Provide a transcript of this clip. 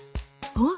おっ？